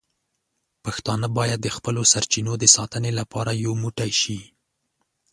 پښتانه باید د خپلو سرچینو د ساتنې لپاره یو موټی شي.